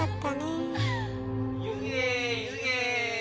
・ゆげゆげ。